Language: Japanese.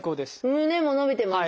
胸も伸びてます。